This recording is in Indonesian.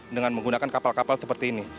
dengan menggunakan kapal kapal seperti ini